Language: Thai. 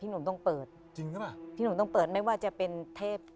หนุ่มต้องเปิดจริงหรือเปล่าพี่หนุ่มต้องเปิดไม่ว่าจะเป็นเทพ